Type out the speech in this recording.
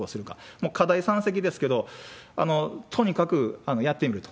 もう課題山積ですけれども、とにかくやってみると。